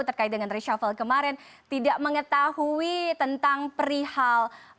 terkait dengan reshuffle kemarin tidak mengetahui tentang perihal